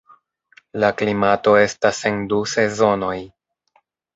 La klimato estas en du sezonoj.